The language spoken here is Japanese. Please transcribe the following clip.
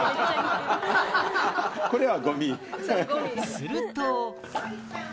すると。